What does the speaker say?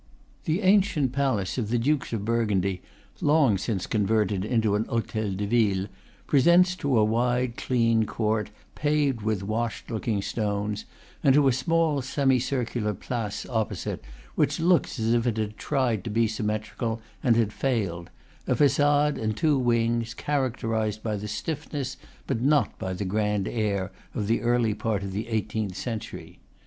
The ancient palace of the Dukes of Burgundy, long since converted into an hotel de ville, presents to a wide, clean court, paved with washed looking stones, and to a small semicircular place, opposite, which looks as if it had tried to be symmetrical and had failed, a facade and two wings, characterized by the stiffness, but not by the grand air, of the early part of the eighteenth century.